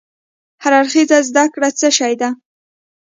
هر اړخيزه زده کړه څه شی ده؟